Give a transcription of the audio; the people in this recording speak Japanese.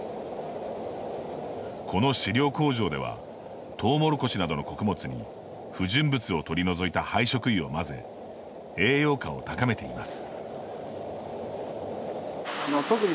この飼料工場ではトウモロコシなどの穀物に不純物を取り除いた廃食油を混ぜ栄養価を高めています。